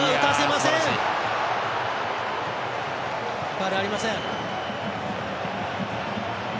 ファウルはありません。